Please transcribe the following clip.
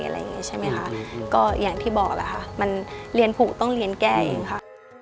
อะไรอย่างนี้ใช่ไหมคะก็อย่างที่บอกแหละค่ะมันเรียนผูกต้องเรียนแก้เองค่ะ